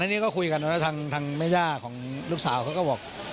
นี่ก็คุยกันแล้วทางแม่ย่าของลูกสาวเขาก็บอก